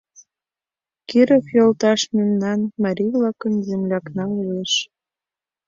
Киров йолташ мемнан, марий-влакын, землякна улеш.